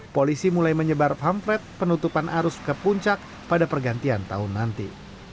polisi mulai menyebar pampret penutupan arus ke puncak pada pergantian tahun nanti